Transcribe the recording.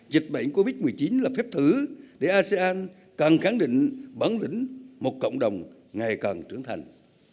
dịch bệnh covid một mươi chín là phép thử để asean càng khẳng định bản lĩnh một cộng đồng ngày càng trưởng thành